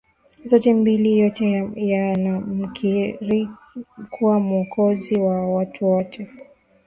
zote mbili Yote yanamkiri kuwa Mwokozi wa watu wote